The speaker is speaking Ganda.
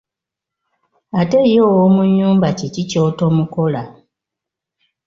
Ate ye ow'omu nyumba kiki ky'otomukola?